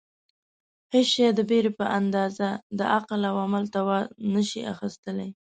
هېڅ شی د بېرې په اندازه د عقل او عمل توان نشي اخیستلای.